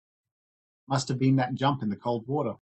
Must have been that jump in the cold water.